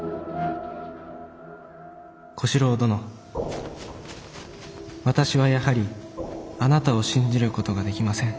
「小四郎殿私はやはりあなたを信じることができません。